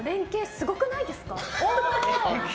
すごくないですか？